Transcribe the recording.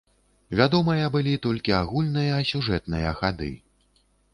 Вядомыя былі толькі агульныя сюжэтныя хады.